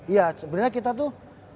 iya sebenernya kita tuh